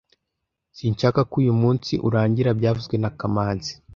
Sinshaka ko uyu munsi urangira byavuzwe na kamanzi